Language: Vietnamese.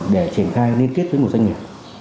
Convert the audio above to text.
để triển khai liên kết với một doanh nghiệp